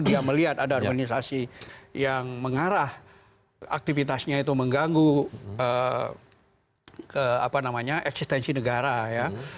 dia melihat ada organisasi yang mengarah aktivitasnya itu mengganggu eksistensi negara ya